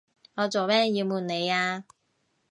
我做咩要暪你呀？